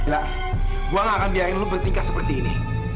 mila gue gak akan biarin lo bertingkah seperti ini